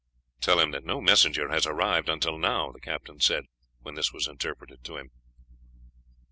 "Tell him that no messenger has arrived until now," the captain said, when this was interpreted to him.